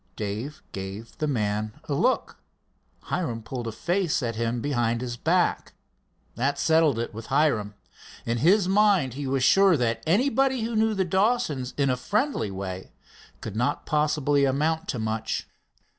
Dave gave the man a look. Hiram pulled a face at him behind his back. That settled it with Hiram. In his mind he was sure that anybody who knew the Dawsons in a friendly way could not possibly amount to much.